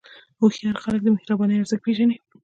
هوښیار خلک د مهربانۍ ارزښت پېژني.